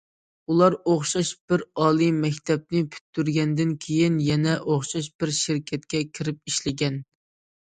ئۇلار ئوخشاش بىر ئالىي مەكتەپنى پۈتتۈرگەندىن كېيىن، يەنە ئوخشاش بىر شىركەتكە كىرىپ ئىشلىگەن.